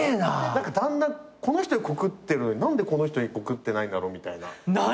だんだんこの人に告ってるのに何でこの人に告ってないんだろうみたいな。何！？